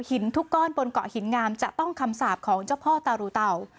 ทุกก้อนบนเกาะหินงามจะต้องคำสาปของเจ้าพ่อตารูเตา